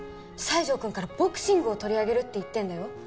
西条くんからボクシングを取り上げるって言ってんだよ。